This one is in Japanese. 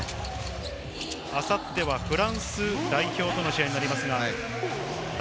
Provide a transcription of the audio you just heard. あさってはフランス代表との試合になります。